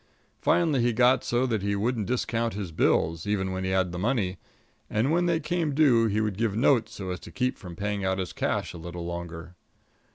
Finally, he got so that he wouldn't discount his bills, even when he had the money; and when they came due he would give notes so as to keep from paying out his cash a little longer.